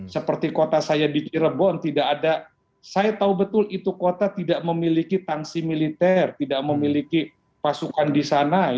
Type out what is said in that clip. seperti kota saya di cirebon tidak ada saya tahu betul itu kota tidak memiliki tangsi militer tidak memiliki pasukan di sana